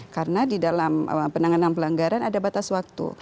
karena di dalam penanganan pelanggaran ada batas waktu